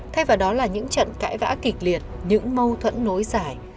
thay vào đó là những trận cãi vã kịch liệt những mâu thuẫn nối giải